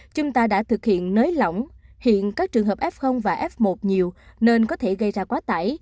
chúng ta đã thực hiện nới lỏng hiện các trường hợp f và f một nhiều nên có thể gây ra quá tải